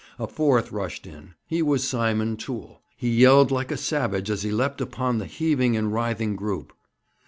A fourth rushed in; he was Simon Toole. He yelled like a savage as he leapt upon the heaving and writhing group.